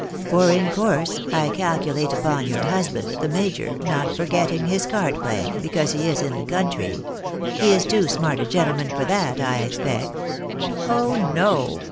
For in course, I calculate upon your husband, the major, not forgetting his card playing, because he is in the country. He is too smart a gentleman for that, I expect." " Oh, no